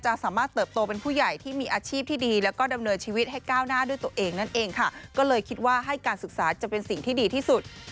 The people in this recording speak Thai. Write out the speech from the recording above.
สามารถเติบโตเป็นผู้ใหญ่ที่มีอาชีพที่ดีแล้วก็ดำเนินชีวิตให้ก้าวหน้าด้วยตัวเองนั่นเองค่ะก็เลยคิดว่าให้การศึกษาจะเป็นสิ่งที่ดีที่สุด